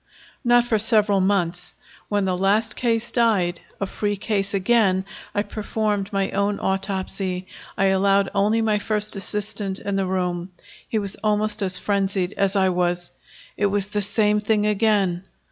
"Not for several months. When the last case died, a free case again, I performed my own autopsy. I allowed only my first assistant in the room. He was almost as frenzied as I was. It was the same thing again.